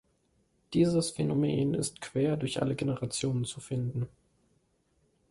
Dieses Phänomen ist quer durch alle Generationen zu finden.